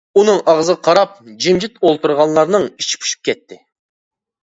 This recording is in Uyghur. ئۇنىڭ ئاغزىغا قاراپ، جىمجىت ئولتۇرغانلارنىڭ ئىچى پۇشۇپ كەتتى.